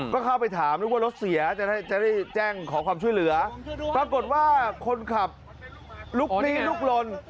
ก็เข้าไปถามนึกว่ารถเสียจะได้แจ้งขอความช่วยเหลือปรากฏว่าคนขับลุกลี้ลุกลน